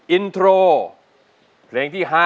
อินโทรเพลงที่๕